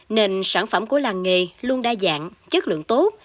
nên sản phẩm của làng nghề luôn đa dạng chất lượng tốt